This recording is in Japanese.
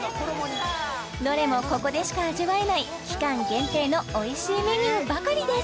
どれもここでしか味わえない期間限定のおいしいメニューばかりです